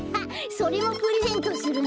それもプレゼントするの？